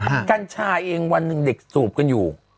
กัญชาเองวันหนึ่งเด็กสูบกันอยู่